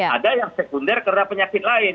ada yang sekunder karena penyakit lain